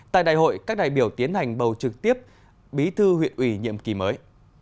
tại đại hội các đại biểu tiến hành bầu trực tiếp bí thư huyện ủy nhiệm kỳ mới